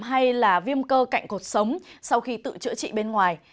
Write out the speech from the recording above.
hay là viêm cơ cạnh cuộc sống sau khi tự chữa trị bên ngoài